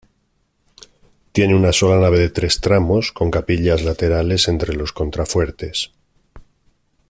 Tiene una sola nave de tres tramos, con capillas laterales entre los contrafuertes.